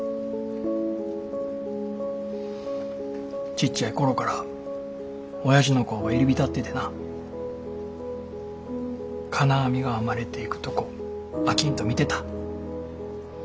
ちっちゃい頃からおやじの工場入り浸っててな金網が編まれていくとこ飽きんと見てた。